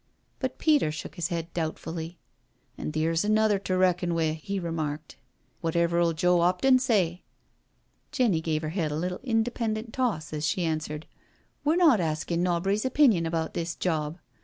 But Peter shook his head doubtfully. " An' theer's another to reckon wi', he remarked. Wotever'U Joe 'Opton say?" Jenny gave her head a little independent toss as she answered :We're not askin' nobry's opinion about this job.